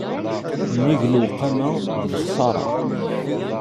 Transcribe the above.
Nnig lewqama d lexṣaṛa.